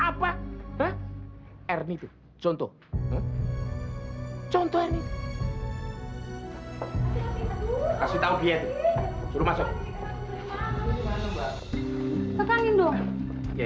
apa apa er gitu contoh contoh ini kasih tahu dia suruh masuk ke tangan dong ya